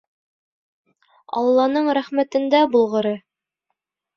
Алланың рәхмәтендә булғыры.